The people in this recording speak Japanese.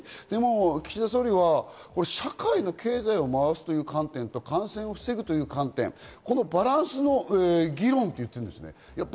でも岸田総理は社会の経済を回すという観点と感染を防ぐという観点、このバランスという議論と言っているんですね。